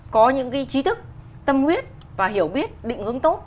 có những trí thức tâm huyết và hiểu biết định hướng tốt